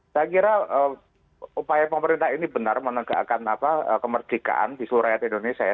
saya kira upaya pemerintah ini benar menegakkan kemerdekaan di seluruh rakyat indonesia ya